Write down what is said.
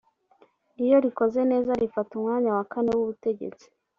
iyo rikoze neza rifata umwanya wa kane w’ubutegetsi